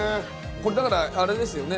これだからあれですよね。